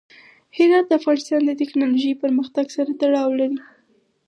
هرات د افغانستان د تکنالوژۍ پرمختګ سره تړاو لري.